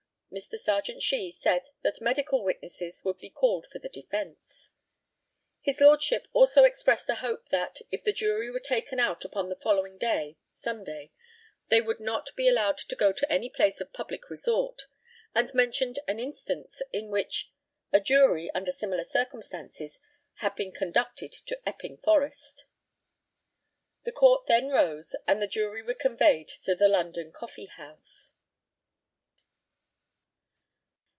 Mr. Serjeant SHEE said that medical witnesses would be called for the defence. His LORDSHIP also expressed a hope that, if the jury were taken out upon the following day (Sunday), they would not be allowed to go to any place of public resort, and mentioned an instance in which a jury, under similar circumstances, had been conducted to Epping Forest. The Court then rose, and the jury were conveyed to the London Coffee house.